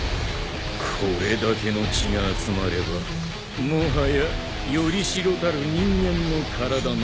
これだけの血が集まればもはやより代たる人間の体なぞ不要。